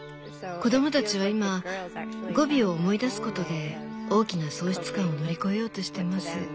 子供たちは今ゴビを思い出すことで大きな喪失感を乗り越えようとしています。